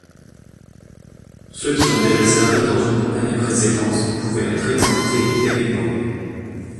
Ceux qui ont déjà servi dans une campagne précédente pouvaient être exemptés d'hériban.